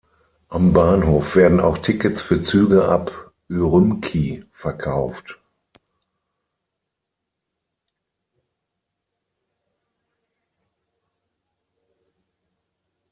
Am Bahnhof werden auch Tickets für Züge ab Ürümqi verkauft.